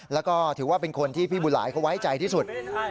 แล้วก็ถือว่าเป็นคนที่พี่บุหลายเขาไว้ใจที่สุด